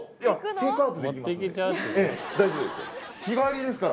大丈夫ですよ